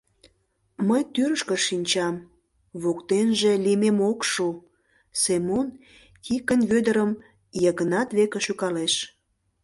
— Мый тӱрышкӧ шинчам, воктенже лиймем ок шу, — Семон Тикын Вӧдырым Йыгнат веке шӱкалеш.